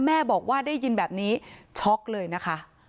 แม่บอกว่าได้ยินแบบนี้ช็อกเลยนะคะ